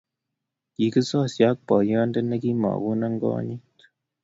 kikisosie ak boyonde ne kimakonon konyit